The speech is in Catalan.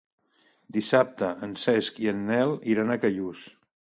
Dissabte en Cesc i en Nel iran a Callús.